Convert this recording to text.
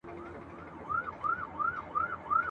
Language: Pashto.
خدایه بیرته هغه تللی بیرغ غواړم !.